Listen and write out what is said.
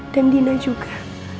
dan dina juga